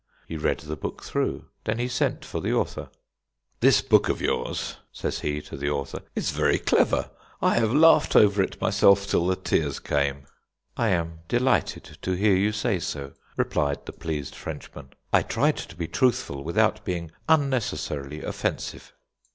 He read the book through. Then he sent for the author. "This book of yours," said he to the author, "is very clever. I have laughed over it myself till the tears came." "I am delighted to hear you say so," replied the pleased Frenchman. "I tried to be truthful without being unnecessarily offensive."